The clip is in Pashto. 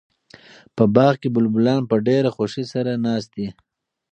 په باغ کې بلبلان په ډېره خوښۍ سره ناست دي.